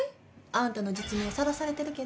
あんたの実名さらされてるけど。